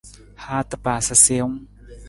Haata paasa siwung.